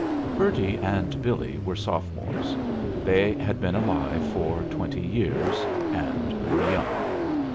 II Bertie and Billy were sophomores. They had been alive for twenty years, and were young.